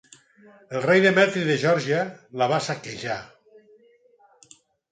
El rei Demetri de Geòrgia la va saquejar.